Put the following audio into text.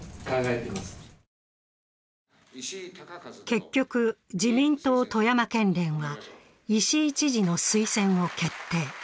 結局、自民党富山県連は石井知事の推薦を決定。